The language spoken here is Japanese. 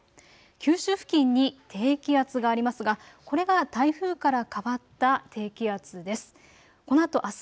九州付近に低気圧がありますがこれが台風から変わった低気圧です。